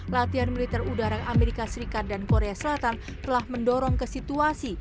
latihan militer udara amerika serikat dan korea selatan telah mendorong ke situasi